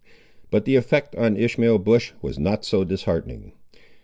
But the effect on Ishmael Bush was not so disheartening.